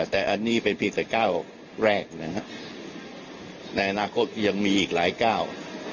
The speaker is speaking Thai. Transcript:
แต่อันนี้เป็นเพียงแต่ก้าวแรกนะฮะในอนาคตก็ยังมีอีกหลายก้าว